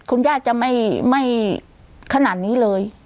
คุณย่าจะไม่ขนาดนี้เลย